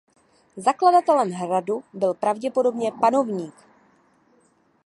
Zakladatelem hradu byl pravděpodobně panovník.